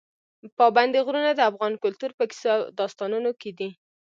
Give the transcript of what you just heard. پابندي غرونه د افغان کلتور په کیسو او داستانونو کې دي.